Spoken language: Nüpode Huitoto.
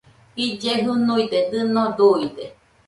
Ille jɨnuiñede, dɨno dujude